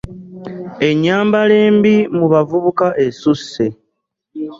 ennyambala embi mu bavubuka esusse.